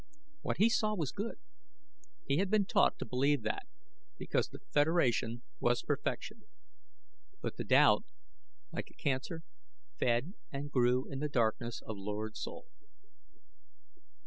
What he saw was good he had been taught to believe that because the Federation was perfection. But the doubt, like a cancer, fed and grew in the darkness of Lord's soul.